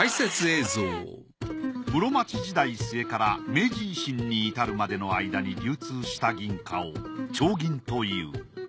室町時代末から明治維新に至るまでの間に流通した銀貨を丁銀という。